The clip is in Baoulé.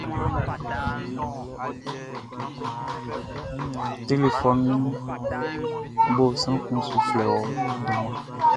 Telefɔnunʼn bo, sran kun su flɛ ɔ dunmanʼn.